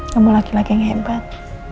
kamu laki laki yang hebat